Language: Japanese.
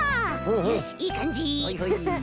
よしいいかんじフフッ。